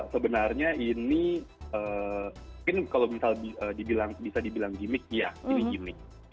sebenarnya ini mungkin kalau misal bisa dibilang gimmick ya gini gimmick